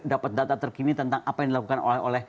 dapat data terkini tentang apa yang dilakukan oleh